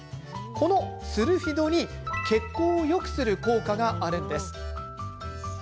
このスルフィドに血行をよくする効果があるんです。